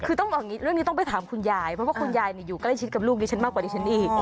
คือเรื่องนี้ต้องไปถามคุณยายเพราะคุณยายอยู่ใกล้ชิดกับลูกดิฉันมากกว่าดิฉันอีก